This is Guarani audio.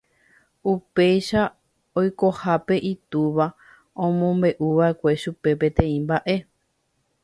Upéicha oikohápe itúva omombe'uva'ekue chupe peteĩ mba'e.